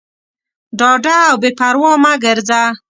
ډاډه او بېپروا مه ګرځه.